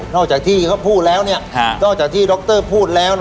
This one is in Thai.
จากที่เขาพูดแล้วนอกจากที่ดรพูดแล้ว